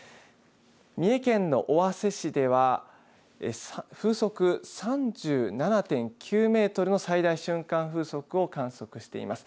三重県の尾鷲市では風速３７．９メートルの最大瞬間風速を観測しています。